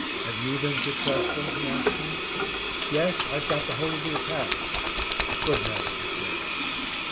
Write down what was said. "Have you been successful?" he asked me. "Yes, I've got the whole of the attack." "Good man," he said.